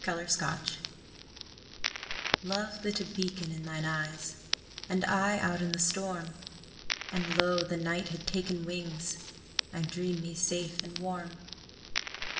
THE WRECKAGE Love lit a beacon in thine eyes, And I out in the storm, And lo! the night had taken wings; I dream me safe and warm.